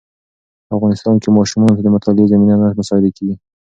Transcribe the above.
په افغانستان کې ماشومانو ته د مطالعې زمینه نه مساعده کېږي.